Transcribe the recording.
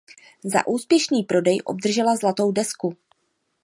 Za úspěšný prodej obdržela Zlatou desku.